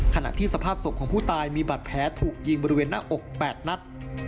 ขณะที่สภาพศพของผู้ตายมีบาดแผลถูกยิงบริเวณหน้าอก๘นัด